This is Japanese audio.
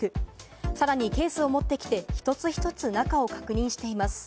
さらにケースを持ってきて一つ一つ中を確認しています。